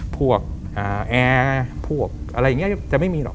พวกแอร์พวกอะไรอย่างนี้จะไม่มีหรอก